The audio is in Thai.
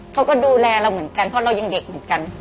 เขาก็ดูแลเราเหมือนกันเพราะเรายังเด็กเหมือนกัน